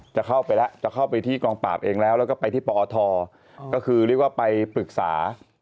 จะเข้าไปที่กล้องปราบเองแล้วก็ไปที่ปธก็คือเรียกว่าไปปรึกษา